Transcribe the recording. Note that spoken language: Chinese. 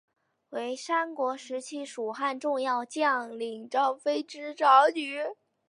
为三国时期蜀汉重要将领张飞之长女。